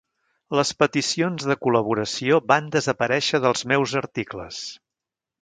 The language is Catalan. Les peticions de col·laboració van desaparèixer dels meus articles.